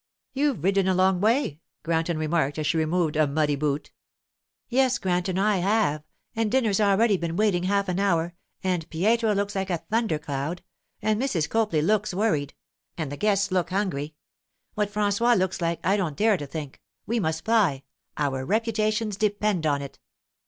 'You've ridden a long way,' Granton remarked as she removed a muddy boot. 'Yes, Granton, I have; and dinner's already been waiting half an hour, and Pietro looks like a thunder cloud, and Mrs. Copley looks worried, and the guests look hungry—what François looks like I don't dare to think. We must fly; our reputations depend on it.